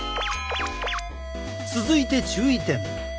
続いて注意点。